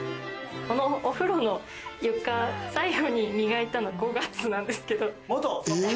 このお風呂の床、最後に磨いたの５月なんですけど。